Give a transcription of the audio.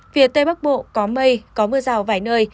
phía tây bắc bộ có mây có mưa rào vài nơi